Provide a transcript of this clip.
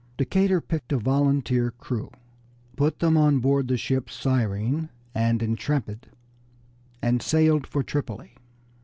Decatur picked a volunteer crew, put them on board the ships Siren and Intrepid, and sailed for Tripoli.